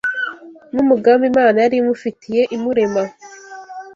n’umugambi Imana yari imufitiye imurema.